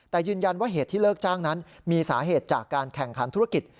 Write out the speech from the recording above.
แต่ยืนยันว่าเหตุที่เลิกจ้างนั้นมีสาเหตุจากการแข่งขันธุรกิจ